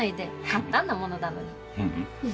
簡単なものだのに。